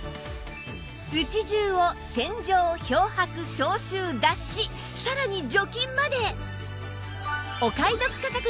家中を洗浄漂白消臭脱脂さらに除菌まで！